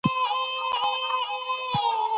پسه د افغانستان د شنو سیمو یوه ښکلا ده.